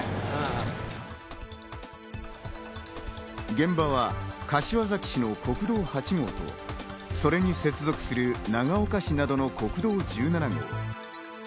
現場は柏崎市の国道８号とそれに接続する長岡市などの国道１７号。